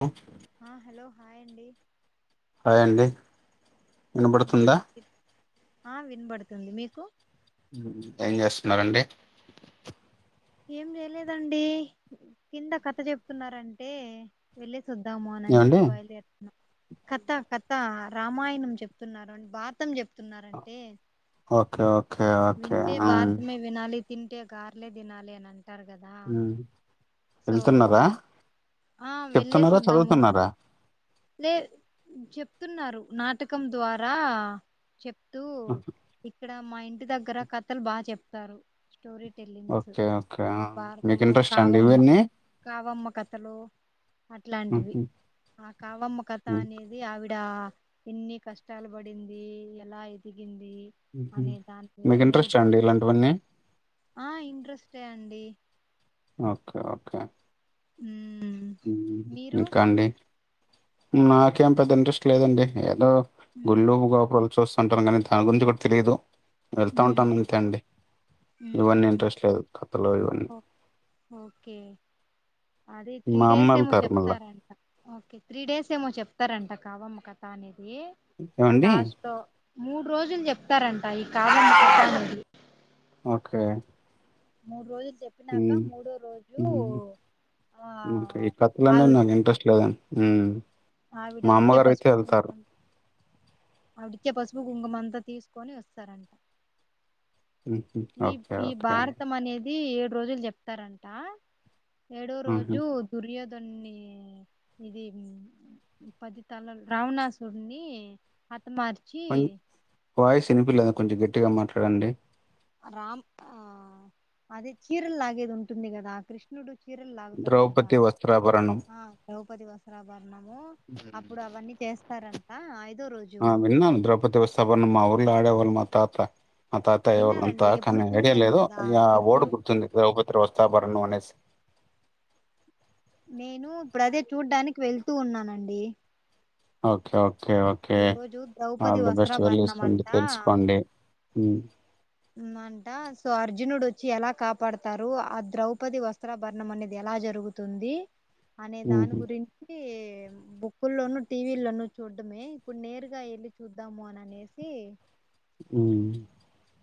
అ ఆ hello hi అండి అండి ఉమ్, వినబడుతుందా వి- ఆ వినపడుతుంది మీకు ఏం చేస్తున్నఅండి ఏం చేయలేదండి కింద కథ చెప్తున్నారంటే వెళ్ళ చూద్దామో అని ఏమండి చెప్పి బయలుదేరుతున్నాం కథ కథ రామాయణం చెప్తున్నారు అడి భాతం చెప్ న్నారంటే ఓకే ఓకే ఓకే వింటే ఉమ్ భారతమే వినాలి తింటే గార్లే దినాల లే ఎనానికి ంటారు కదా ఉమ్ సో వెళ్తున్నారా వె- ఆ వెళ్ళేసి చెప్తున్నారా వద్దాము చదువుతున్నారా లే చెప్తున్నారు నాటకం ద్వారా చెప్తూ ఇక్కడ మా ఇంటి దగ్గర కథలు బాగా చెప్తారు స్టోరీ టెల్లింగ్స్ ఓకే ఓకే మీకు భారతము ఇంట్రెస్ట్ అండి కావమ్మ వన్న కావమ్మ కథలు అట్లాంటివి ఉహు ఆ కావమ్మ కథ ఉ అనేది ఆవిడ ఇన్ని కష్టాలు బడింది ఎలా ఎదిగింది అనే దాని మీద మీకు మూడు ఇంట్రెస్ట్ అండి రోజులు ఇలాంటివన్నీ ఆ ఇంట్రెస్టే అండి ఓకే ఓకే ఉ ఇంకా అండి నాకేం పెద్ద ఇంట్రెస్ట్ లేదండి ఏదో మ్మ్ గుడ్లు గోపురాలు చూ ంటాారు కానీ దాని గురించి కూడా తెలియదు వెళ్తా ఉంటాను మ్మ్ ఇంతే అండి ఇవన్నీ మ్మ్ ఇంట్రెస్ట్ లేదు కథలో ఇ ఓ ఓకే అదే త్రీ మా అమ్మ డేస్ ఏమో వెళ్తారు మళ్ళా చెప్తారంట ఓకే త్రీ డేస్ ఏమో చెప్త ఇస్తారంట కావాఅమ్మ కథ అనే సీ ఏమండి లాస్ట్లో మూడు రోజులు చెప్తారంట ఈ కాకమ్మ కథలనేటి ఓకే మూడు రోజుల్ ఆ ఈ కథలనేది ఆవి నాక్ ఇంట్రెస్ట్ లేదండి ఆవిడ మా ఇచ్చే అమ్మగారైతే పసుపు ఎళ్తారు. కుంకుమలు ఆవిడిచ్చే పసుపు కుంకుమ అంతా తీసుకొని వస్తారంట హుహు. ఈ ఓకే. ఈ ఓకే అండి. భారతం అనేద్ ది ఏడు రోజులు చెప్తారంట ఏడో హుహు. రోజు దుర్యోధ డున్ని ఇది పదితల రావణాసుడ్ని వాయిస్ వినిపియలేదు కొంచం గట్టి గా మాట్లాడండి. రామ్ ఆ అదే చీరల్లాగేది ఉంటుంది కదా కృష్ణుడు చీరలు లాగుతాడు కదా 'ద్రౌపది వస్త్రాభరణం.' ఆ ద్రౌపది వస్త్రాభరణము హ్మ్. అప్పుడు అవన్నీ చేస్తారంట ఆ అయి ఆ విన్నాను ద్రౌపది వస్త్రాభరణం మా ఊర్లా ఆడేవాళ్ళు మా తాత మా తాతయ్య ఎవలో అంతా విన్నారండి ఎప్పుడు కానీ ఐడియా చూడలేదు లేదు కదా ఇగ వర్డ్ ఇప్పుడు గుర్తుంది. ద్రవపతి వస్త్రాభరణం అనేసి నేను ఇప్పుడు అదే చూడ్డానికి వెళ్తూ ఉన్నానండి ఓ కే ఓకే ఈ రోజు ద్రౌపది ఆల్ ది బెస్ట్ వెళ్ళేసి వస్త్రాభరణం రండి అంట తెలుసుకోండి అంటా సో అర్జునుడు ఓచ్చి ఎలా కాపాడతారు. ఆ ద్రౌపది వస్త్రభరణం అనేది ఎలా జరుగుతుంది. అనే దాని హుహు. గురించీ బొక్కుల్లోనూ టీవీల్లోనూ చూడ్డమే ఇప్పుడు నేరుగా ఎళ్ళి చూద్దాము అని అనేసి మ్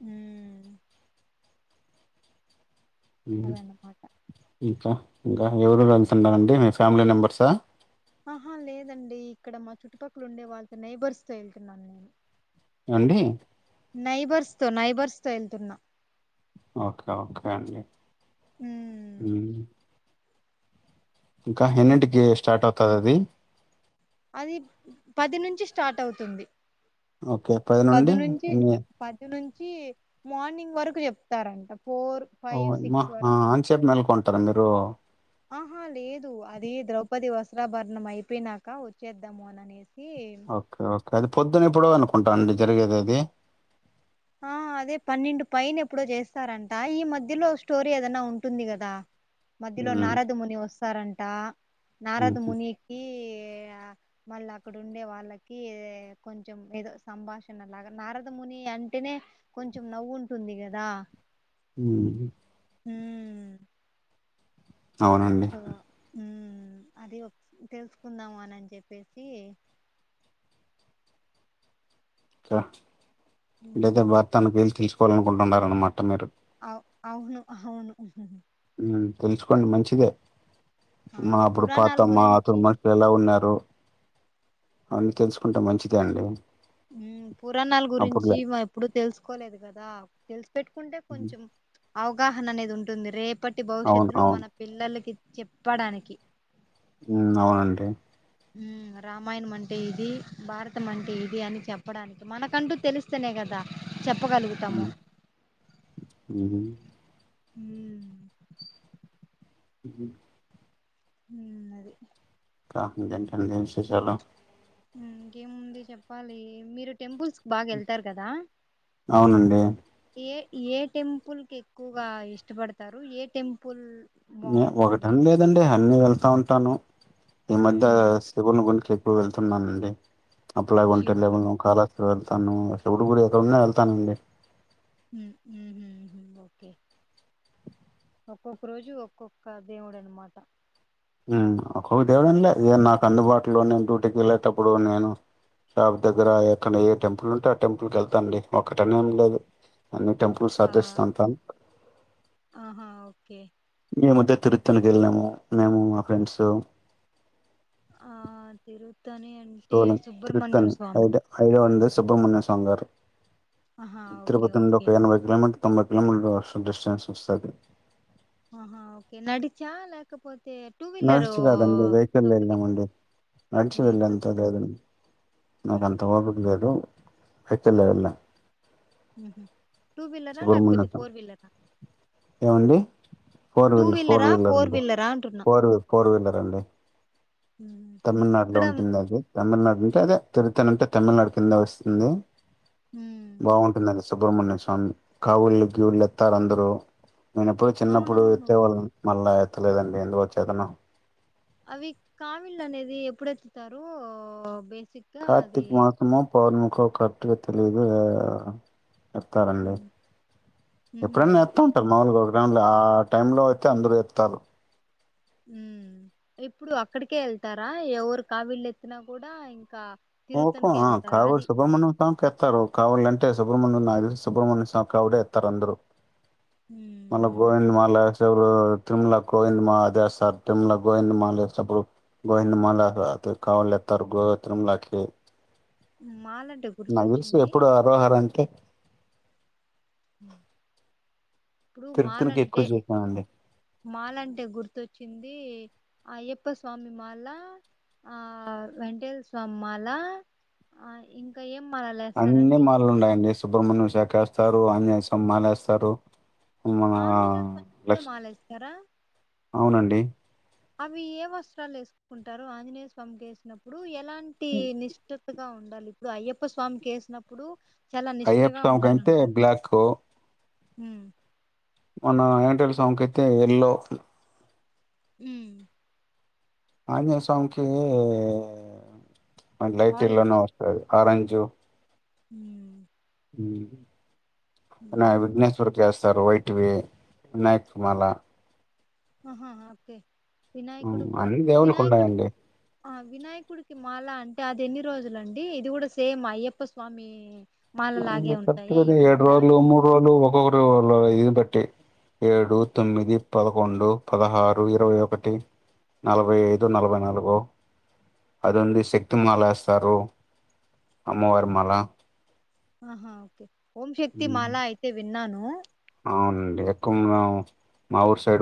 హ్మ్ అదన్నమాట ఇంకా ఇంకా ఎవరు వెళ్తున్నారండి మీ ఫ్యామిలీ మెంబర్సా ఆహా లేదండి ఇక్కడ మా చుట్టుపక్కల ఉండే వాళ్ళతో నైబర్స్ తో వెళ్తున్నాను నేను అండీ నైబర్స్తో నైబర్స్తో ఎళ్తున్నా ఓకే ఓకే అండి ఉమ్ మ్ ఇంకా ఉమ్. ఎన్నింటికీ స్టార్ట్ అవు కదది అది పది నుంచి స్టార్ట్ అవుతుంది ఓకే పది నుండి పది నుంచి మార్నింగ్ వరకు చెప్తారంట ఫోర్ ఫైవ్ సిక్స్ వర అతల మీరు ఆహా లేదు అది ద్రౌపది వస్త్రాభరణం అయిపోయినాక వచ్చేద్దాము అననేసి ఓకే ఓ అది పొద్దున ఏప్పుడో అనుకుంటాను అండి జరిగేది అది ఆ అదే పన్నెండు పైన ఎప్పుడో జేస్తారంట ఈ మధ్యలో స్టోరీ ఏదనా ఉంటుంది గదా మధ్యలో హ్మ్. నారదముని వస్తారం టా నారద హుహు. మునికీ ఎహ్ ఆ మళ్ళీ అక్కడ ఉండే వాళ్ళకీ కొంచెం ఏదో సంభాషణలాగా నారదముని ఆన్ అంటేనే కొంచెం నవ్వు ఉంటుంది గదా ఊ ఊ అవునండి. సో ఊ అది ఓక్ తెలుసుకుందాం అనని చెప్పేసి చ లేతే ఉమ్ భర్తానుక తెలుసు కోలనుంటున్నారన్న మాట మీరు అవును హవును తెల్సుకొండి మంచిదే ఆ మా అప్పుడు పురాణాల పాతమ్ మా గురించి అతడు మనుషులు ఎలా ఉన్నారు అన్ని తెలుసుకుంటే మంచిదే అండి ఊ పురాణాల గురించి అప్పుడులే. ఈమె ఎప్పుడుూ తెలుసుకోలేదు గదా తెలిసి పెట్టుకుంటే హ్మ్. కొంచెం అవగాహన అనేది ఉంటుంది రేప్ ప్పటి అవును. భవిష్యత్తు లో అవును. మన పిల్లలకి చెప్పడానికి హ్మ్ అవునండి ఉ రామాయణం అంటే ఇది భారతం అంటే ఇది అని చెప్పడానికి మనకంటూ తెలుస్తేనే గదా ఊ ఉ ఊ ఊ అది కా దిన ఠం దన్ స చాల ఊ ఇంకేముంది చెప్పాలి మీరు టెంపుల్స్ బాగెళ్తారు కదా అవునండి. ఏ ఏ టెంపుల్ కి ఎక్కువగా ఇష్టపడతారు ఏ టెంపుల్ బాగుంటుంది ఒకటని అంటే లేదండి అన్నీ వెళ్తా ఉం తను ఈ మధ్య ఉమ్ సివుని గూంచి ఇప్పుడు వెళ్తున్నానండి అప్పుడే ఉంటే శివుడు లెవెన్ కాలే ఇక్కడు వెళ్తాను శివుడి గుడి ఎక్కడన్నా వెళ్తానండి ఓకే ఒక్కొక్క రోజు ఒక్కొక్క దేవుడు అనమాట ఒక్క దేవుడంటే నాకు అందుబాటులో నేను డ్యూటీకి వెళ్ళేటప్పుడు నేను షాప్ దగ్గర ఎక్కడ ఏ టెంపుల్ ఉంటే ఆ టెంపుల్కి వెళ్తానండి ఒక్కటనే ఏం లేదు అన్ని టెంపుల్ ఆ సర్ధస్తంటాం ఆహా ఓకే ఈ మధ్య తిరుత్తనికి వెళ్ళాము మేము మా ఫ్రెండ్స్ ఆ తిరు పోలింగ్ తిరుత్తని ఐడ వంద సుబ్రమణ్య తంగారు ఆహా ఓకే తిరుపతిడు ఓకే ఒక ఎనభై కిలోమీటర్ తొభై కిలోమీటర్ వాష్ డిస్టెన్స్ వస్తుంది ఆహా ఓకే నడిచా లేకపోతే టూ వీలరు నడిసి కాదండి వేకిల్ లో సౌకర్యం ఉం వెళ్ళామండి నడిచి వెహికల్ వెళ్లేంత ధైర్య నాకు అంత ఓపిక లేదు వెహికల్లో వెళ్ళాం హామ్ సుబ్రహ్మణ్య ఏమండి ఫోర్ టూ వీలర్ ఫోర్ వీలరా వీలర్ అండి వీలరా అంటున్నా ఫోర్ వి ఫోర్ వీలర్ అండి హ్మ్ తమిళనాడులో అక్కడ ఉంటుంది అది తమిళనాడు నుంటే అదే తిరుతనీ అంటే తమిళనాడు కింద వస్తుంది ఉమ్ సుబ్రమణ్య స్వామి కామిల్లు గివ్వులత్తారు అందరూ నేన ఎప్పుడు చిన్నప్పుడు అవునవును ఎత్తే వాళ్ళం మళ్ళా లేదండి ఎందు వచ్చేతను అవి కామీల్లు అనేది ఎప్పుడెత్తుతారు బి కార్తిక మాసమో పౌర్ణ ఇంకో కరెక్ట్ గా తెలిదు ఎత్తారండి హ్మ్ ఉహు ఎప్పుడైన్నా చెస్తా ఓకే ఉంటారు మాముూలు గౌ ప్ర్రామూల ఆ టైంలో అయితే అందరూ ఎత్తుతారు ఉ ఎప్పుడు అక్కడికే వెళ్తారా ఎవరు కావీళ్ళు ఎత్తిన కూడా ఇంకా ఒ తిరుతనికి వెళ్తారు కావల్ అది సుబ్రహమణ్యం స్వామికిస్తారు కావల్ సుబ్రహమణ్యు నాతెలిసి సుబ్రహమణ్య కావూడు ఎత్తుతారు అందరు మల్ల ఉమ్, గోవింద మాల చెడు తిరుమల గోవిందమ అదిస్తారు తిరుమల గోవిందమాలప్పుడు గోవిందమాల అ కావలుస్తారు గో తిమలాకి ఉ నాకు తెలుసు ఎప్పుడు అరోహర అంటే [inaudible] ఇప్పుడు తిరుపతికి మాలంటే ఎక్కువ చూసానండి మాలంటే గుర్తొచ్చింది అయ్యప్ప స్వామి మాల ఆ వెంకేశ్వర స్వామి మాల ఆ ఇంకా ఏం మాలలు అన్ని వేస్తారండి మార్లు ఉన్నాయండి సుబ్ర్మణ్య శాఖ వేస్తారు అన్నీ వేస్తాం మాలా వేస్తారు ఆంజనేయులు స్వామి కి కూడా మాలేస్తారా అవునండి అవి ఏ వస్త్రాలు వేసుకుంటారు ఆంజనేయ స్వామికి వేసినప్పుడు ఎలాంటి ఇంటి నిష్టతగా ఉ ఉండాలి ఇప్పుడు అయ్యప్ప స్వామికి వేసినప్పుడు చాలా ఐయప్ప నిష్ఠగా స్వామి కి అంటే బ్లాక్కు అ మన వెంకటేష్వుల స్వామి కి అయితే ఎల్లో ఉ ఆంజనేయ స్వామి కీ లైట్ ఎల్లో నే వస్తాది ఆరెంజ్ జు హ ఉ అ ఉమ్. విఘ్నేశ్వర్ కస్త స వాయిట్ వి వినాయక మలా ఆహాా ఓకే వినాయకుడికి కూడా అన్ని దేవుళ్లు కి వినాయకుడి ఉండయండి ఆ వినాయకుడికి మాల అంటే అది ఎన్ని రోజులండి ఇది కూడా సేమ్ అయ్యప్ప స్వామి మాల లాగే కరెక్ట్ గా ఉంటాయా అయితే ఇవి ఏడ్ కూడా రోజలుూ మూడు రోజలు వ ఇంక్కొకరులో ఇన్ని బట్టి ఏడు తొమ్మిది పదకొండు పదహారు ఇరవై ఒకటి నలభై ఐదు నలభై నాలుగు అది ఉంది శక్తిమాల వేస్తారు అమ్మవారి మాల ఆహా ఓకే ఓం శక్తి మాలా అయితే విన్నాను ఆ అవునండి ఎక్కువ మా ఊరు సైడ్